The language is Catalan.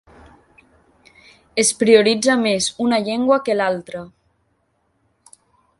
Es prioritza més una llengua que l'altra.